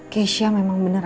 cesya memang bener